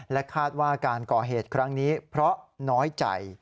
คาดว่าการก่อเหตุครั้งนี้เพราะน้อยใจ